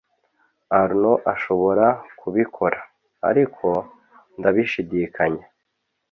Arnaud ashobora kubikora, ariko ndabishidikanya.